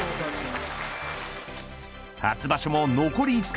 初場所も残り５日。